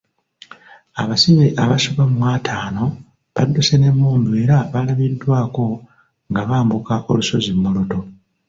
Abasibe abasoba mu attaano badduse n'emmundu era balabiddwako nga bambuka olusozi Moroto.